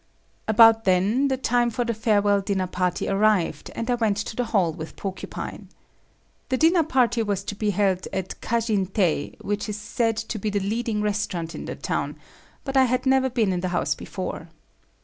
About then, the time for the farewell dinner party arrived, and I went to the hall with Porcupine. The dinner party was to be held at Kashin tei which is said to be the leading restaurant in the town, but I had never been in the house before.